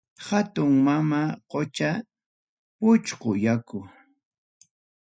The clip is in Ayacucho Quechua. Hatun mama qucham, puchqu yaku.